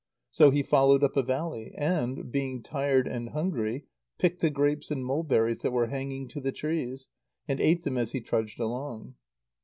So he followed up a valley; and, being tired and hungry, picked the grapes and mulberries that were hanging to the trees, and ate them as he trudged along.